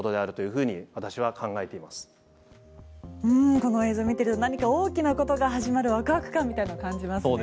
この映像を見ていると何か大きなことが始まるわくわく感みたいなのを感じますね。